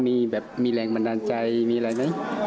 มีแบบมีแรงบันดาลใจมีอะไรไหม